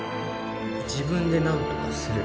自分でなんとかする。